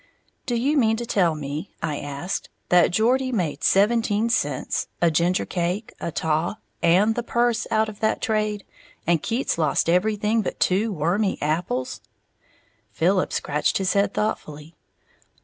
"Do you mean to tell me," I asked, "that Geordie made seventeen cents, a gingercake, a taw and the purse, out of that trade, and Keats lost everything but two wormy apples?" Philip scratched his head thoughtfully.